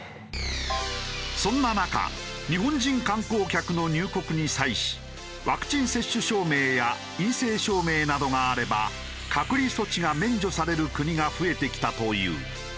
そんな中日本人観光客の入国に際しワクチン接種証明や陰性証明などがあれば隔離措置が免除される国が増えてきたという。